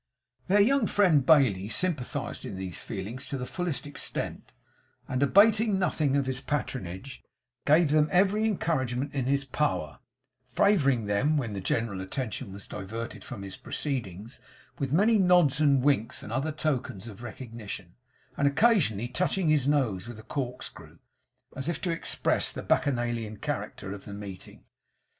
Their young friend Bailey sympathized in these feelings to the fullest extent, and, abating nothing of his patronage, gave them every encouragement in his power; favouring them, when the general attention was diverted from his proceedings, with many nods and winks and other tokens of recognition, and occasionally touching his nose with a corkscrew, as if to express the Bacchanalian character of the meeting.